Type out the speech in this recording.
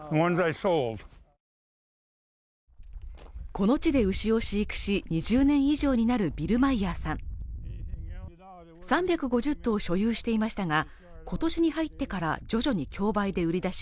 この地で牛を飼育し２０年以上になるビル・マイヤーさん３５０頭所有していましたが今年に入ってから徐々に競売で売り出し